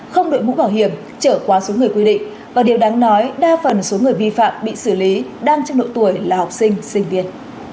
không đội mũ bảo hiểm trở qua số người quy định và điều đáng nói đa phần số người vi phạm bị xử lý đang trong độ tuổi là học sinh sinh viên